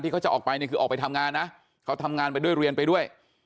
เขาจะออกไปเนี่ยคือออกไปทำงานนะเขาทำงานไปด้วยเรียนไปด้วย